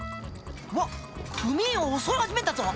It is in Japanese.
わっ組員を襲い始めたぞ。